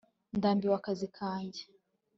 ndambiwe akazi kanjye